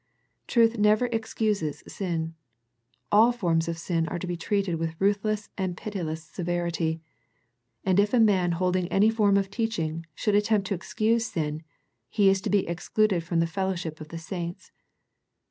Truth never excuses sin. All forms of sin are to be treated with ruthless and pitiless severity, and if a man holding any form of teaching, should attempt to excuse sin, he is to be excluded from the fellowship of the saints.